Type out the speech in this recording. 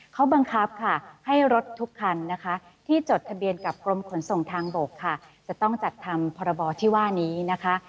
เขาบังคับค่ะให้รถทุกคันนะคะที่จดทะเบียนกับกรมขนส่งทางบกค่ะจะต้องจัดทำพรบที่ว่านี้นะคะ